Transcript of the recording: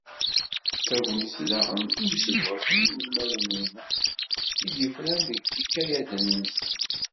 D tagnit daɣen, i usebɣes n yinelmaden-nneɣ i d-yufraren deg yikayaden-nsen.